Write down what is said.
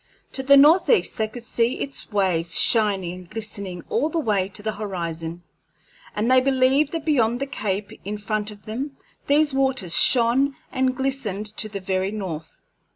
To the northeast they could see its waves shining and glistening all the way to the horizon, and they believed that beyond the cape in front of them these waters shone and glistened to the very north.